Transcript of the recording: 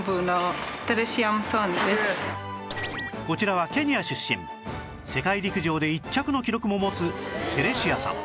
こちらはケニア出身世界陸上で１着の記録も持つテレシアさん